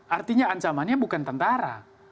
artinya ancamannya bukan tentara